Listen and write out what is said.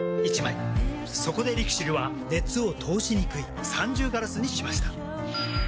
そこでＬＩＸＩＬは熱を通しにくい三重ガラスにしました。